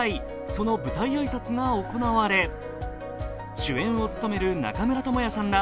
その舞台挨拶が行われ、主演を務める中村倫也さんら